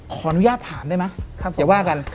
ขออนุญาตถามได้ไหมอย่าว่ากัน